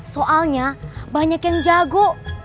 soalnya banyak yang jago